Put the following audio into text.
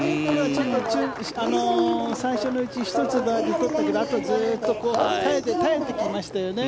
ちょっと、最初のうち１つバーディーを取ったけどあとはずっと耐えて耐えてきましたね。